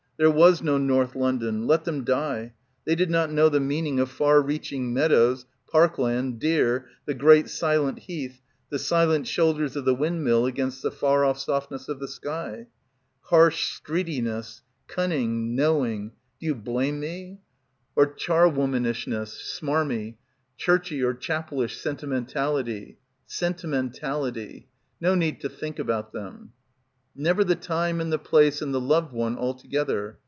There was no North London. Let them die. They did not know the meaning of far reaching meadows, park land, deer, the great silent Heath, the silent shoulders of the windmill against the far off softness of the sky. Harsh streetiness ... cun ning, knowing ... do you blame me? ... or — 206 — BACKWATER char womanishness, smarmy ; churchy or chapelish sentimentality. Sentimentality. No need to think about them. "Never the time and the place and the loved one all together."